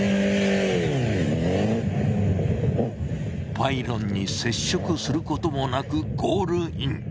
パイロンに接触することもなくゴールイン。